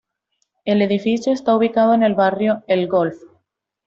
El edificio está ubicado en el barrio El Golf.